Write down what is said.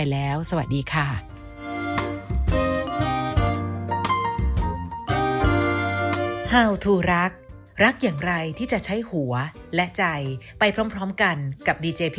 แล้วสวัสดีค่ะ